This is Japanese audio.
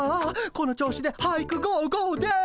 この調子で俳句ゴーゴーです。